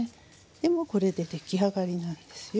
これで出来上がりなんですよ